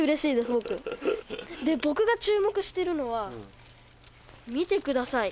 僕で僕が注目してるのは見てください